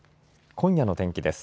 今夜の天気です。